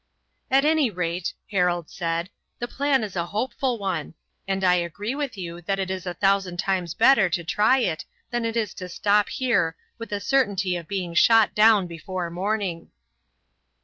"At any rate," Harold said, "the plan is a hopeful one, and I agree with you that it is a thousand times better to try it than it is to stop here with the certainty of being shot down before morning."